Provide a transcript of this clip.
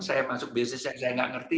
saya masuk bisnis yang saya tidak mengerti